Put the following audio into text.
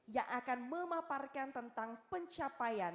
yang akan memaparkan tentang pencapaian